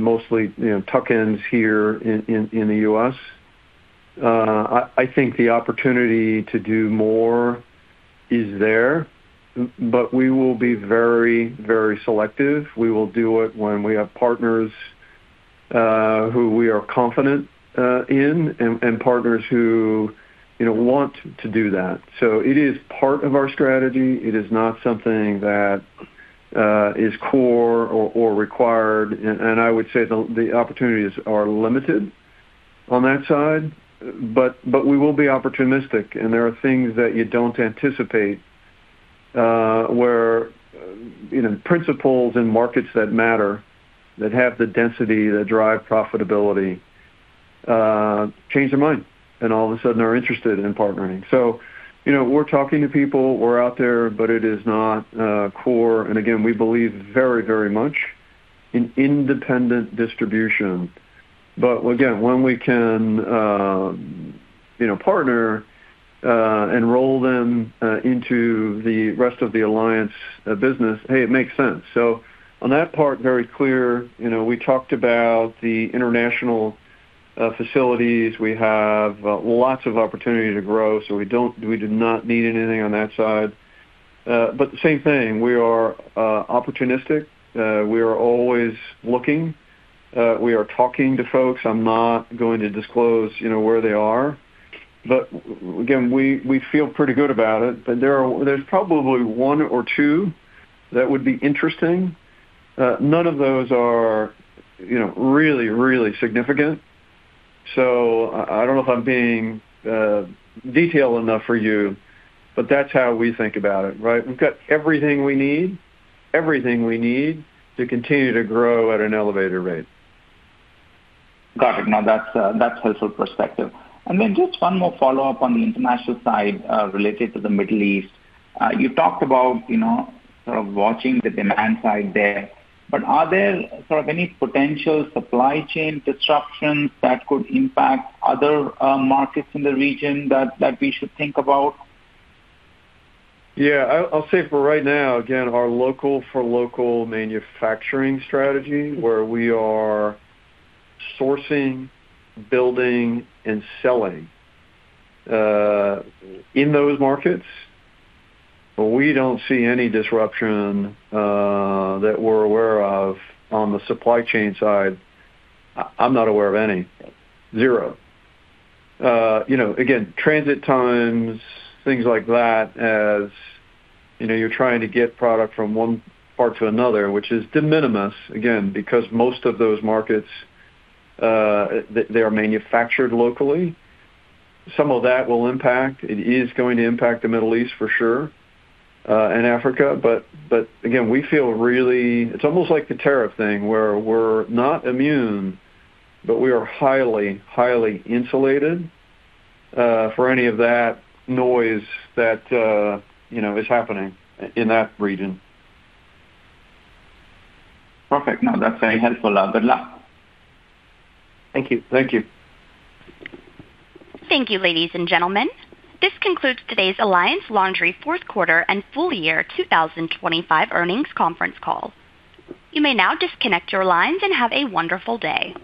mostly, you know, tuck-ins here in the U.S. I think the opportunity to do more is there, but we will be very, very selective. We will do it when we have partners who we are confident in and partners who, you know, want to do that. It is part of our strategy. It is not something that is core or required. I would say the opportunities are limited on that side, but we will be opportunistic. There are things that you don't anticipate, where, you know, principals in markets that matter, that have the density, that drive profitability, change their mind, and all of a sudden are interested in partnering, so, you know, we're talking to people, we're out there, but it is not core. Again, we believe very, very much in independent distribution. Again, when we can, you know, partner, enroll them into the rest of the Alliance business, hey, it makes sense. On that part, very clear, you know, we talked about the international facilities. We have lots of opportunity to grow, so we do not need anything on that side. The same thing, we are opportunistic. We are always looking. We are talking to folks. I'm not going to disclose, you know, where they are, but again, we feel pretty good about it. There's probably one or two that would be interesting. None of those are, you know, really, really significant. I don't know if I'm being detailed enough for you, but that's how we think about it, right? We've got everything we need, everything we need to continue to grow at an elevated rate. Got it. No, that's helpful perspective. Then just one more follow-up on the international side, related to the Middle East. You talked about, you know, sort of watching the demand side there. Are there sort of any potential supply chain disruptions that could impact other markets in the region that we should think about? Yeah. I'll say for right now, again, our local-for-local manufacturing strategy, where we are sourcing, building and selling in those markets, we don't see any disruption that we're aware of on the supply chain side. I'm not aware of any, zero, you know, again, transit times, things like that, as you know, you're trying to get product from one part to another, which is de minimis, again, because most of those markets they are manufactured locally. Some of that will impact. It is going to impact the Middle East for sure and Africa. But again, we feel really. It's almost like the tariff thing where we're not immune, but we are highly insulated for any of that noise that you know is happening in that region. Perfect. No, that's very helpful. Good luck. Thank you. Thank you. Thank you, ladies, and gentlemen. This concludes today's Alliance Laundry fourth quarter and full year 2025 earnings conference call. You may now disconnect your lines and have a wonderful day.